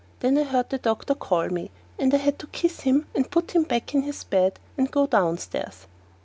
Then I heard the doctor call me and I had to kiss him, put him back in his bed, and go downstairs.